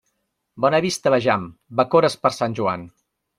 Bona vista vejam, bacores per Sant Joan.